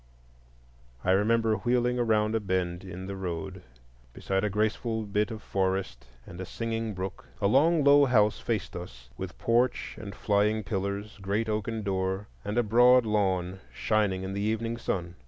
I remember wheeling around a bend in the road beside a graceful bit of forest and a singing brook. A long low house faced us, with porch and flying pillars, great oaken door, and a broad lawn shining in the evening sun.